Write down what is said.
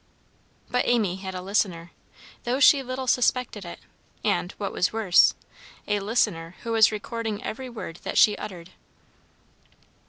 But Amy had a listener, though she little suspected it, and, what was worse, a listener who was recording every word that she uttered!